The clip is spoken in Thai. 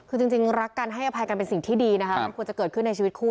คือจริงรักกันให้อภัยกันเป็นสิ่งที่ดีนะคะมันควรจะเกิดขึ้นในชีวิตคู่